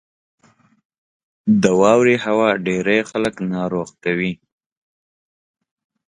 • د واورې هوا ډېری خلک ناروغ کوي.